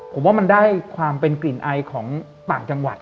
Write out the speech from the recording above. ผมว่ามันได้ความเป็นกลิ่นไอของต่างจังหวัด